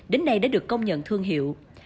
đến nay đã được công nhận thương hiệu